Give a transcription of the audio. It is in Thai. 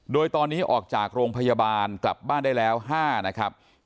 โดยตอนนี้ออกจากโรงพยาบาลกลับบ้านได้แล้ว๕นะครับ